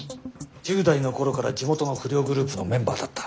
１０代の頃から地元の不良グループのメンバーだった。